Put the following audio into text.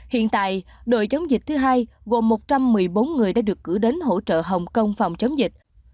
hiện tại đội chống dịch thứ hai gồm một trăm một mươi bốn người đã được cử đến hỗ trợ hồng kông phòng chống dịch